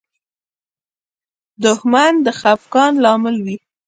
دښمن د خفګان لامل وي